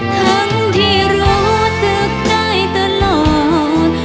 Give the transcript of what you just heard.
ทั้งที่รู้สึกได้ตลอด